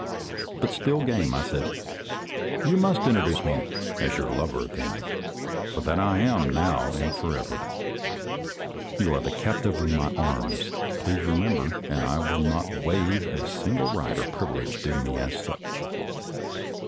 But still game, I said, "You must in troduce me as your lover, then, for that I am, now and forever. You are the captive of my arms, please remember, and I'll not waive a single right or privilege due me as such."